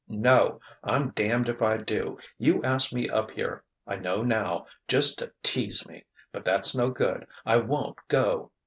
"No, I'm damned if I do. You asked me up here I know now just to tease me. But that's no good. I won't go!"